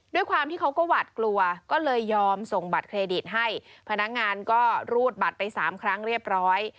ด้วยความที่เขาก็หวัดกลัวก็เลยยอมส่งบัตรเครดิตให้พนักงานก็รูดบัตรไปสามครั้งเรียบร้อย